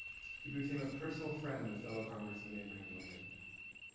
He became a personal friend of fellow congressman Abraham Lincoln.